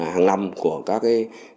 hàng năm của các cái